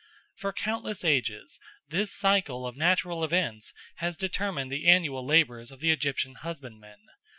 For countless ages this cycle of natural events has determined the annual labours of the Egyptian husbandman.